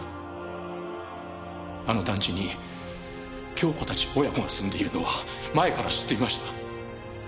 あの団地に恭子たち親子が住んでいるのは前から知っていました。